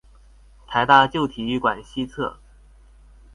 臺大舊體育館西側